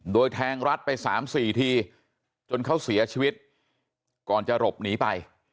โดยแทงรัดไป๓๔ทีจนเขาเสียชีวิตก่อนจะหลบหนีไป